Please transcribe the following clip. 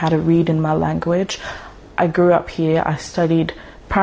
berkaitan dengan kultur australia